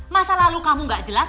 masa lalu kamu gak jelas